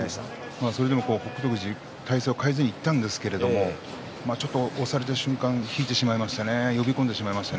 それでも北勝富士は体勢を変えずにいったんですけれど押された瞬間、引いて呼び込んでしまいました。